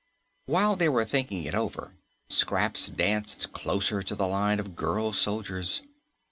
While they were thinking it over, Scraps danced closer to the line of girl soldiers.